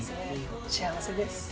幸せです。